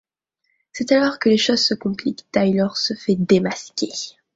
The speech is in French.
C'est alors que les choses se compliquent, Taylor se fait démasquer.